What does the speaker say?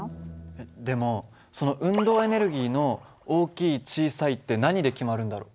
えっでもその運動エネルギーの大きい小さいって何で決まるんだろう？